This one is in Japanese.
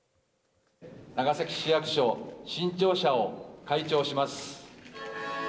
長崎市役所新庁舎を開庁します。